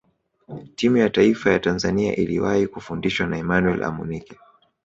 timu ya taifa ya tanzania iliwahi kufundishwa na emmanuel amunike